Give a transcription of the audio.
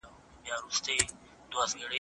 موږ بايد د خپل فرهنګ ساتنه په پوهه سره وکړو.